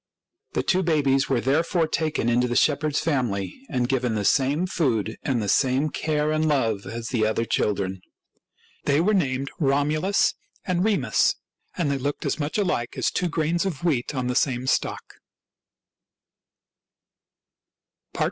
The two babies were therefore taken into the shepherd's family and given the same food and the same care and love as the other children. They were named Romulus and Remus, and they looked as much alike as two grains of wheat on the same stalk.